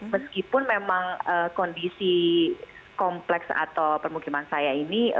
meskipun memang kondisi kompleks atau permukiman saya ini